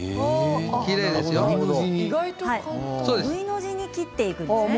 Ｖの字に切っていくんですね。